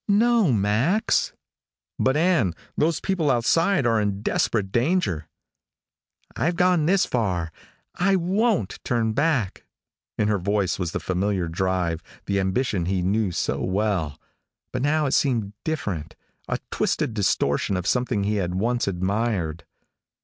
"No, Max." "But, Ann, those people outside are in desperate danger " "I've gone this far. I won't turn back." In her voice was the familiar drive, the ambition he knew so well. But now it seemed different, a twisted distortion of something he had once admired.